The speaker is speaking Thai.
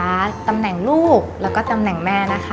ในฐานะตอนนี้แพทย์รับสองตำแหน่งแล้วนะคะ